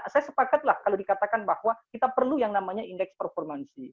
saya sepakatlah kalau dikatakan bahwa kita perlu yang namanya indeks performansi